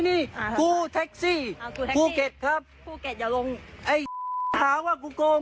มึงพูดว่าคุ้ง